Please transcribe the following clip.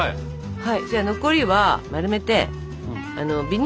はい！